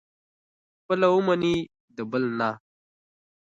خپله ومني، د بل نه.